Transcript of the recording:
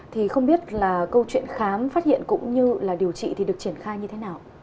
thì không biết là câu chuyện khám phát hiện cũng như là điều trị thì được triển khai như thế nào